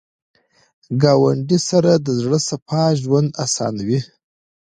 ګاونډي سره د زړه صفا ژوند اسانوي